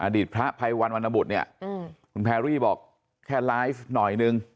อดีตพระภัยวันวรรณบุตรเนี่ยคุณพรรรย์บอกแค่ร้ายน้อยนึง